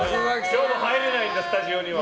今日も入れないんだスタジオに。